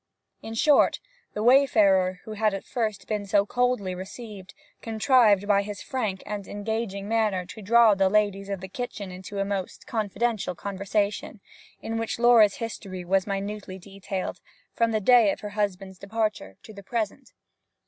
In short, the wayfarer, who had at first been so coldly received, contrived by his frank and engaging manner to draw the ladies of the kitchen into a most confidential conversation, in which Laura's history was minutely detailed, from the day of her husband's departure to the present.